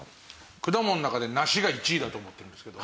果物の中で梨が１位だと思ってるんですけど。